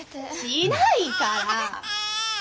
しないから。